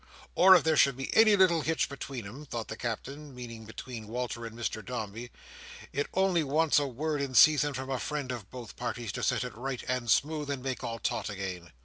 "Or if there should be any little hitch between 'em," thought the Captain, meaning between Walter and Mr Dombey, "it only wants a word in season from a friend of both parties, to set it right and smooth, and make all taut again."